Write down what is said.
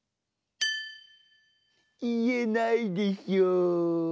いえないでしょう？